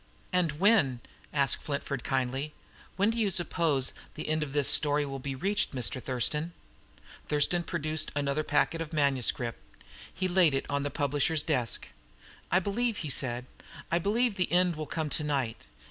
"And when," asked Flintford kindly, "when do you suppose the end of this story will be reached, Mr. Thurston?" Thurston produced another packet of manuscript. He laid it on the publisher's desk. "I believe," he said, "I believe the end will come to night.